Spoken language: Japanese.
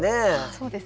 そうですね